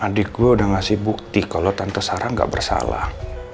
adik gue udah ngasih bukti kalau tante sarah nggak bersalah